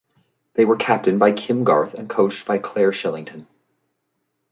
They were captained by Kim Garth and coached by Clare Shillington.